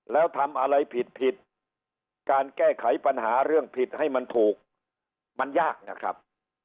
แล้วทำอะไรผิดผิดการแก้ไขปัญหาเรื่องผิดให้มันถูกมันยากนะครับ